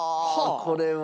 これは。